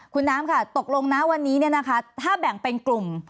คุณน้ำค่ะตกลงนะวันนี้ถ้าแบ่งเป็นกลุ่ม